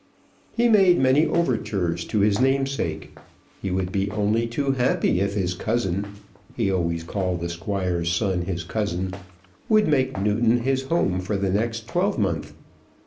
He made many overtures to his namesake. He would be only too happy if his cousin, he always called the Squire's son his cousin, would make Newton his home for the next twelvemonth.